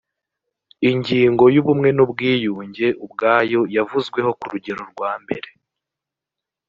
ingingo y ubumwe n ubwiyunge ubwayo yavuzweho ku rugero rwambere